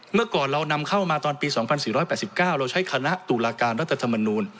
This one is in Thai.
เมื่อก่อนเรานำเข้ามาตอนปีสองพันสี่ร้อยแปดสิบเก้าเราใช้คณะตุลาการรัฐธรรมนุน